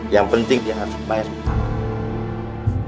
yang penting dia ngasih main hutang